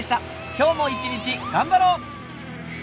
今日も一日頑張ろう！